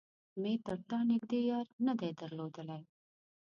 مې تر تا نږدې يار نه دی درلودلی.